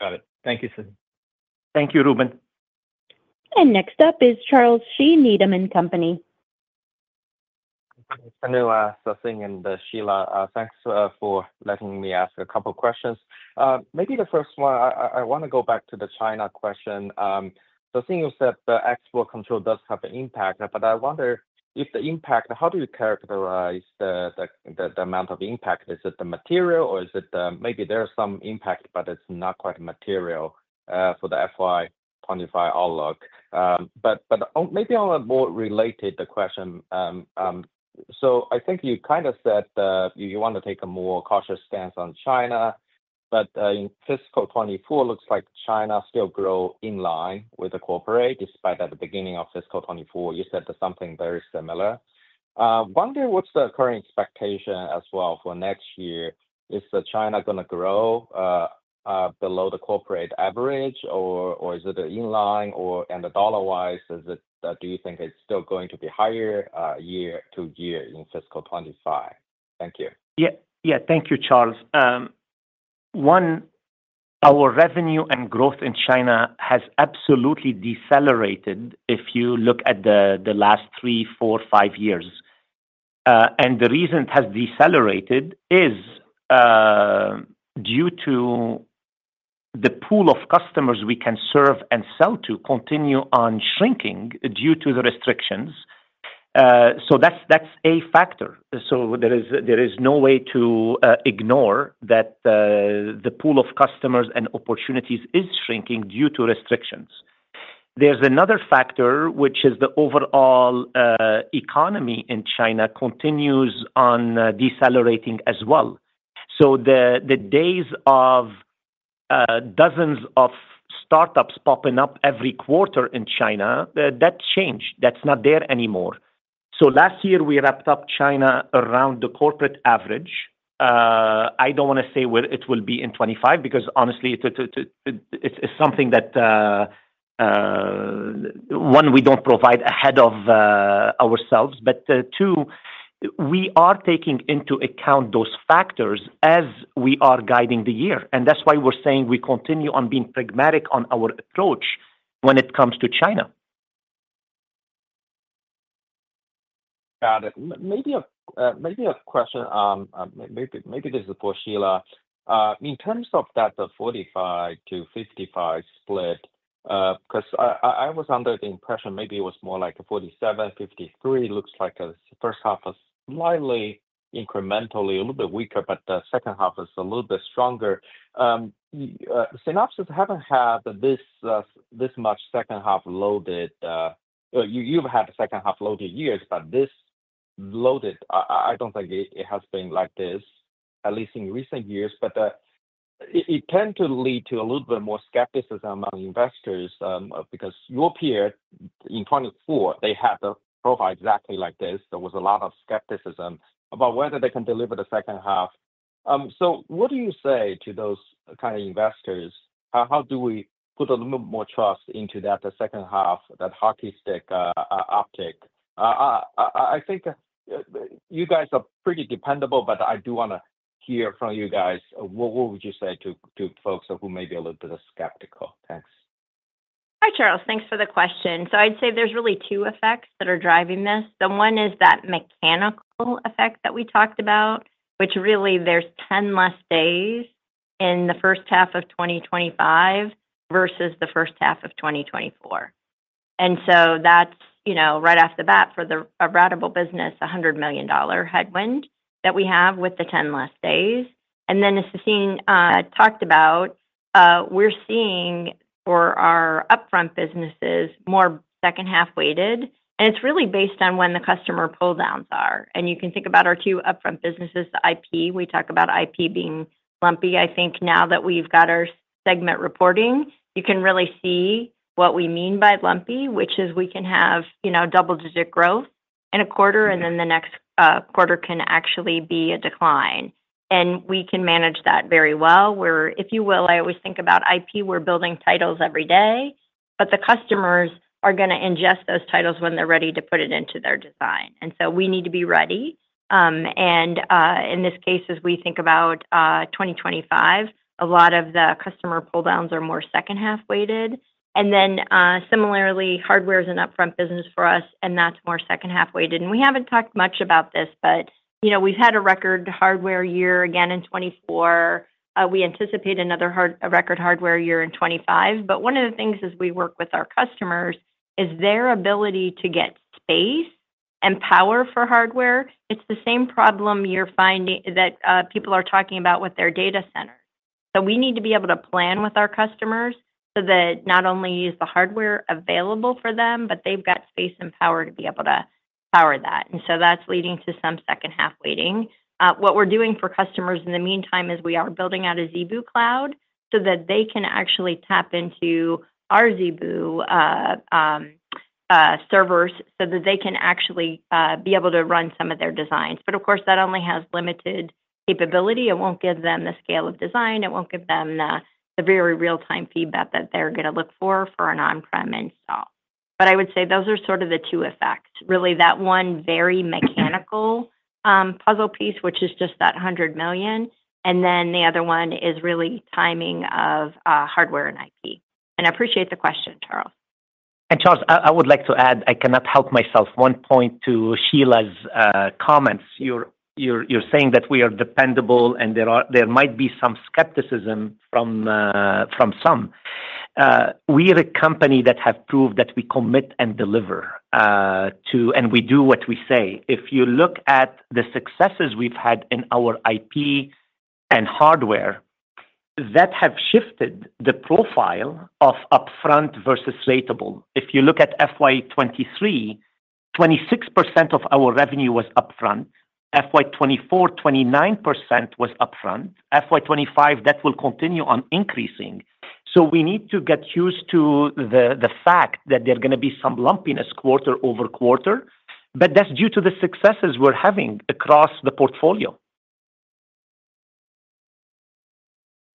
Got it. Thank you, Sassine. Thank you, Ruben. And next up is Charles Shi from Needham & Company. Thanks, Trey, Sassine, and Shelagh. Thanks for letting me ask a couple of questions. Maybe the first one, I want to go back to the China question. Sassine, you said the export control does have an impact, but I wonder if the impact, how do you characterize the amount of impact? Is it the material, or is it maybe there's some impact, but it's not quite material for the FY 2025 outlook? But maybe on a more related question, so I think you kind of said you want to take a more cautious stance on China, but in fiscal 2024, it looks like China still grew in line with the corporate despite at the beginning of fiscal 2024, you said something very similar. I wonder what's the current expectation as well for next year? Is China going to grow below the corporate average, or is it in line? And dollar-wise, do you think it's still going to be higher year to year in fiscal 2025? Thank you. Yeah. Yeah. Thank you, Charles. One, our revenue and growth in China has absolutely decelerated if you look at the last three, four, five years. And the reason it has decelerated is due to the pool of customers we can serve and sell to continue on shrinking due to the restrictions. So that's a factor. There is no way to ignore that the pool of customers and opportunities is shrinking due to restrictions. There's another factor, which is the overall economy in China continues on decelerating as well. The days of dozens of startups popping up every quarter in China, that changed. That's not there anymore. Last year, we wrapped up China around the corporate average. I don't want to say where it will be in 25 because, honestly, it's something that, one, we don't provide ahead of ourselves. But two, we are taking into account those factors as we are guiding the year. And that's why we're saying we continue on being pragmatic on our approach when it comes to China. Got it. Maybe a question, maybe this is for Shelagh. In terms of that 45%-55% split, because I was under the impression maybe it was more like 47%-53%, looks like the first half is slightly incrementally, a little bit weaker, but the second half is a little bit stronger. Synopsys hasn't had this much second half loaded. You've had the second half loaded years, but this loaded, I don't think it has been like this, at least in recent years. But it tends to lead to a little bit more skepticism among investors because your peer in 2024, they had the profile exactly like this. There was a lot of skepticism about whether they can deliver the second half. So what do you say to those kind of investors? How do we put a little bit more trust into that second half, that hockey stick optic? I think you guys are pretty dependable, but I do want to hear from you guys. What would you say to folks who may be a little bit skeptical? Thanks. Hi, Charles. Thanks for the question. So I'd say there's really two effects that are driving this. The one is that mechanical effect that we talked about, which really there's 10 less days in the first half of 2025 versus the first half of 2024. And so that's right off the bat for a ratable business, a $100 million headwind that we have with the 10 less days. And then, as Sassine talked about, we're seeing for our upfront businesses more second half weighted. And it's really based on when the customer pull-downs are. And you can think about our two upfront businesses, the IP. We talk about IP being lumpy. I think now that we've got our segment reporting, you can really see what we mean by lumpy, which is we can have double-digit growth in a quarter, and then the next quarter can actually be a decline. And we can manage that very well. Where, if you will, I always think about IP, we're building tiles every day, but the customers are going to ingest those tiles when they're ready to put it into their design. And so we need to be ready. And in this case, as we think about 2025, a lot of the customer pull-downs are more second half weighted. And then similarly, hardware is an upfront business for us, and that's more second half weighted. And we haven't talked much about this, but we've had a record hardware year again in 2024. We anticipate another record hardware year in 2025. But one of the things as we work with our customers is their ability to get space and power for hardware. It's the same problem you're finding that people are talking about with their data centers. So we need to be able to plan with our customers so that not only is the hardware available for them, but they've got space and power to be able to power that. And so that's leading to some second half weighting. What we're doing for customers in the meantime is we are building out a ZeBu cloud so that they can actually tap into our ZeBu servers so that they can actually be able to run some of their designs. But of course, that only has limited capability. It won't give them the scale of design. It won't give them the very real-time feedback that they're going to look for for an on-prem install. But I would say those are sort of the two effects. Really, that one very mechanical puzzle piece, which is just that $100 million. And then the other one is really timing of hardware and IP. And I appreciate the question, Charles. And Charles, I would like to add, I cannot help myself, one point to Shelagh's comments. You're saying that we are dependable, and there might be some skepticism from some. We are a company that has proved that we commit and deliver to, and we do what we say. If you look at the successes we've had in our IP and hardware, that have shifted the profile of upfront versus ratable. If you look at FY 2023, 26% of our revenue was upfront. FY 2024, 29% was upfront. FY 2025, that will continue on increasing. So we need to get used to the fact that there's going to be some lumpiness quarter over quarter, but that's due to the successes we're having across the portfolio.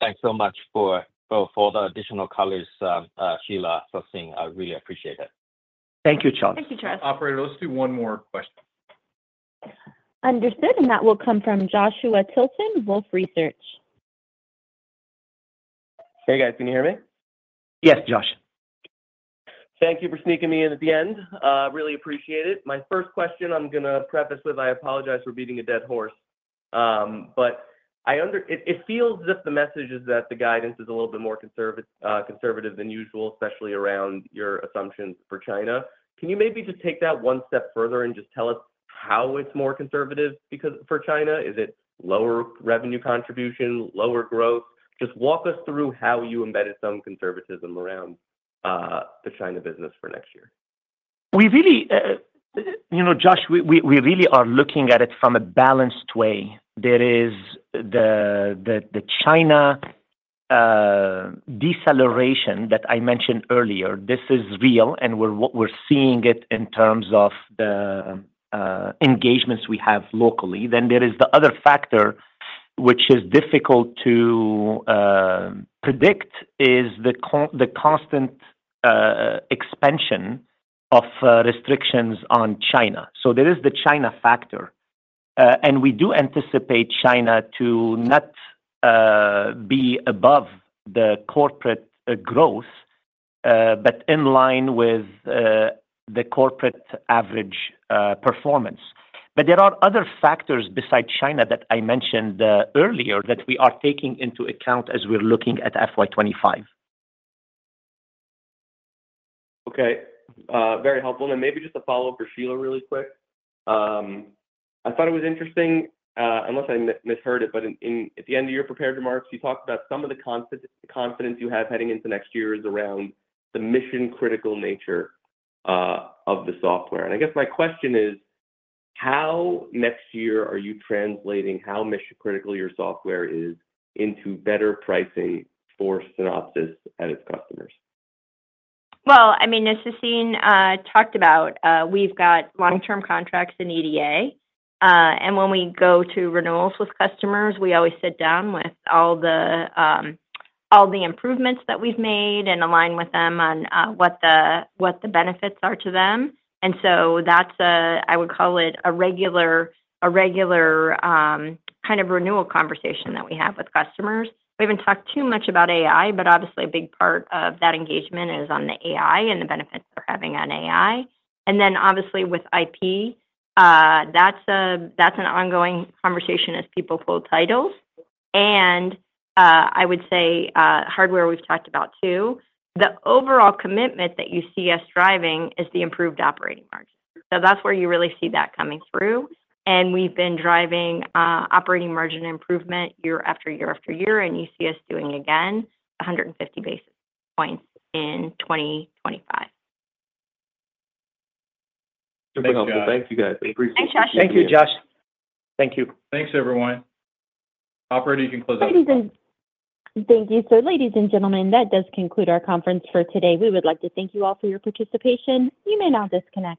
Thanks so much for all the additional colors, Shelagh, Sassine. I really appreciate it. Thank you, Charles. Thank you, Charles. Operator, let's do one more question. Understood. And that will come from Joshua Tilton, Wolfe Research. Hey, guys. Can you hear me? Yes, Josh. Thank you for sneaking me in at the end. Really appreciate it. My first question, I'm going to preface with, I apologize for beating a dead horse. But it feels as if the message is that the guidance is a little bit more conservative than usual, especially around your assumptions for China. Can you maybe just take that one step further and just tell us how it's more conservative for China? Is it lower revenue contribution, lower growth? Just walk us through how you embedded some conservatism around the China business for next year. Josh, we really are looking at it from a balanced way. There is the China deceleration that I mentioned earlier. This is real, and we're seeing it in terms of the engagements we have locally. Then there is the other factor, which is difficult to predict, is the constant expansion of restrictions on China. So there is the China factor. And we do anticipate China to not be above the corporate growth, but in line with the corporate average performance. But there are other factors besides China that I mentioned earlier that we are taking into account as we're looking at FY 2025. Okay. Very helpful. Maybe just a follow-up for Shelagh really quick. I thought it was interesting, unless I misheard it, but at the end of your prepared remarks, you talked about some of the confidence you have heading into next year is around the mission-critical nature of the software. And I guess my question is, how next year are you translating how mission-critical your software is into better pricing for Synopsys and its customers? Well, I mean, as Sassine talked about, we've got long-term contracts in EDA. And when we go to renewals with customers, we always sit down with all the improvements that we've made and align with them on what the benefits are to them. And so that's, I would call it, a regular kind of renewal conversation that we have with customers. We haven't talked too much about AI, but obviously a big part of that engagement is on the AI and the benefits they're having on AI, and then obviously with IP that's an ongoing conversation as people pull titles, and I would say hardware we've talked about too. The overall commitment that you see us driving is the improved operating margin, so that's where you really see that coming through. And we've been driving operating margin improvement year after year after year, and you see us doing again 150 basis points in 2025. Very helpful. Thank you, guys. I appreciate it. Thank you, Josh. Thank you. Thanks, everyone. Operator, you can close up. Thank you, so ladies and gentlemen that does conclude our conference for today. We would like to thank you all for your participation. You may now disconnect.